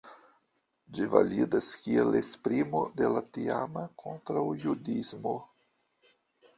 Ĝi validas kiel esprimo de la tiama kontraŭjudismo.